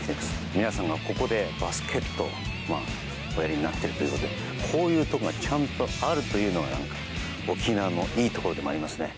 皆さんがここでバスケットをおやりになっているということでこういうところがちゃんとあるというのが沖縄のいいところでもあります。